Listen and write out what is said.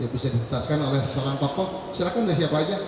bisa dihentaskan oleh seorang tokoh silakan dari siapa saja